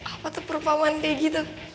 apa tuh perupaman degi tuh